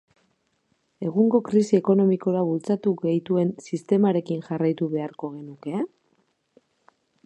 Egungo krisi ekonomikora bultzatu gaituen sistemarekin jarraitu beharko genuke?